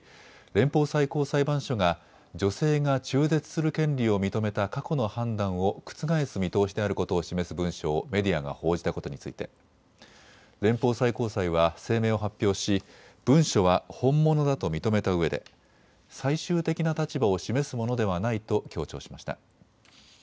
連邦最高裁判所が女性が中絶する権利を認めた過去の判断を覆す見通しであることを示す文書をメディアが報じたことについて連邦最高裁は声明を発表し文書は本物だと認めたうえで最終的な立場を示すものではないと強調しました。